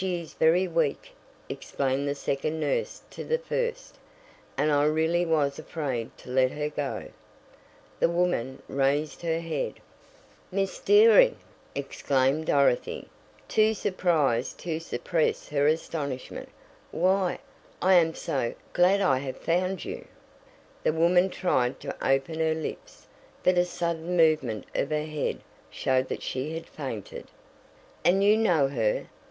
"She is very weak," explained the second nurse to the first, "and I really was afraid to let her go." The woman raised her head. "Miss Dearing!" exclaimed Dorothy, too surprised to suppress her astonishment, "Why, I am so glad I have found you!" The woman tried to open her lips, but a sudden movement of her head showed that she had fainted. "And you know her?"